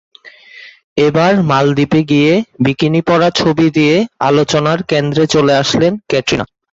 এবার মালদ্বীপে গিয়ে বিকিনি পরা ছবি দিয়ে আলোচনার কেন্দ্রে চলে আসলেন ক্যাটরিনা।